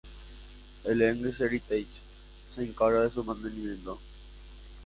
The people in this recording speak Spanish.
El "English Heritage" se encarga de su mantenimiento.